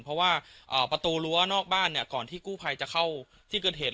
เพราะว่าประตูรั้วนอกบ้านก่อนที่กู้ภัยจะเข้าที่เกิดเหตุ